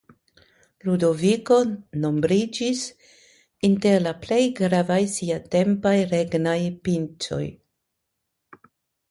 Ludoviko nombriĝis inter la plej gravaj siatempaj regnaj pincoj.